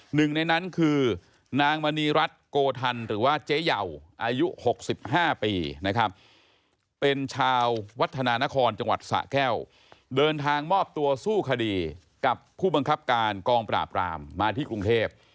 หนึ่งในนั้นคือนางมณีรัฐโกธันหรือว่าเจ๊เยาวอายุ๖๕ปีนะครับเป็นชาววัฒนานครจังหวัดสะแก้วเดินทางมอบตัวสู้คดีกับผู้บังคับการกองปราบรามมาที่กรุงเทพ